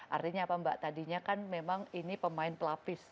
artinya apa mbak tadinya kan memang ini pemain pelapis